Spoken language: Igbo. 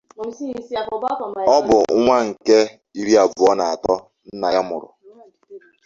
Obu nwa nke iri abuo na ato nna ya muru.